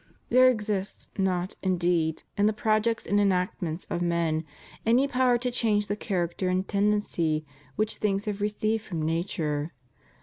There exists not, indeed, in the projects and enactments of men any power to change the character and tendency which things have received from nature.